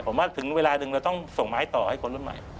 ผมว่าถึงเวลาหนึ่งเราต้องส่งไม้ต่อให้คนรุ่นใหม่